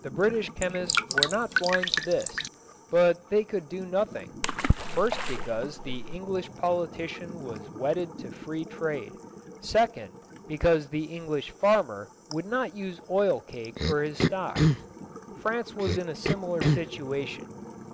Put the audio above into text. The British chemists were not blind to this, but they could do nothing, first because the English politician was wedded to free trade, second, because the English farmer would not use oil cake for his stock. France was in a similar situation.